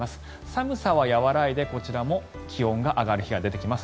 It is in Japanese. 寒さは和らいでこちらも気温が上がる日が出てきます。